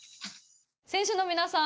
選手の皆さん